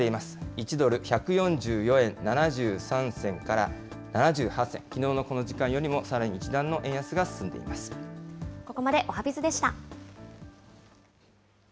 １ドル１４４円７３銭から７８銭、きのうのこの時間よりもさらに一ここまでおはＢｉｚでした。